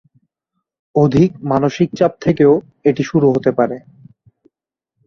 অধিক মানসিক চাপ থেকেও এটি শুরু হতে পারে।